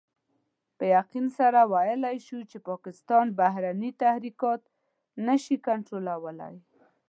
په يقين سره ويلای شو چې پاکستان بهرني تحرکات نشي کنټرولولای.